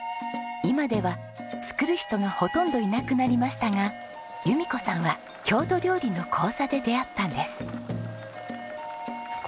今では作る人がほとんどいなくなりましたが由美子さんは郷土料理の講座で出会ったんです。